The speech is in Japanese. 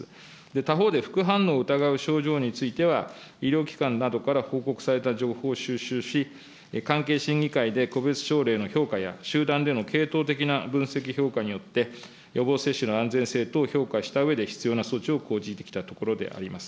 他方で、副反応を疑う症状については、医療機関などから報告された情報を収集し、関係審議会で個別症例の評価や、集団での系統的な分析評価によって、予防接種の安全性等を評価したうえで、必要な措置を講じてきたところであります。